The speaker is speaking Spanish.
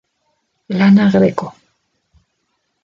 Lana Greco.